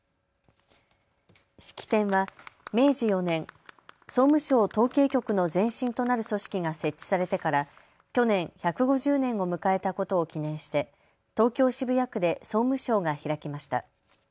式典は明治４年、総務省統計局の前身となる組織が設置されてから去年、１５０年を迎えたことを記念して東京渋谷区で総務省が開きました。